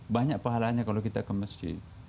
banyak pahalanya kalau kita ke masjid